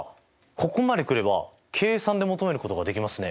ここまで来れば計算で求めることができますね。